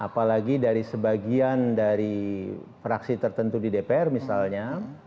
apalagi dari sebagian dari fraksi tertentu di dpr misalnya